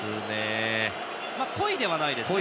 故意ではないですね。